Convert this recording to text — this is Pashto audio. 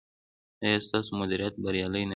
ایا ستاسو مدیریت بریالی نه دی؟